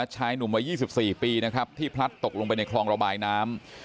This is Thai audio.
ชายหนุ่มวัย๒๔ปีนะครับที่พลัดตกลงไปในคลองระบายน้ำ